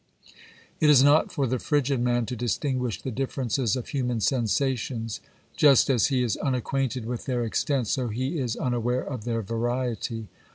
It is not for the frigid man to distinguish the differences of human sensations ; just as he is unacquainted with their extent so he is unaware of their variety.